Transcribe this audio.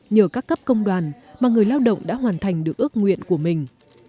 nhờ các cấp công đoàn mà người lao động đã hoàn thành được ước nguyện của mình